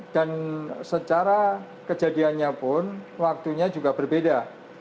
dan secara kejadiannya pun waktunya juga berbeda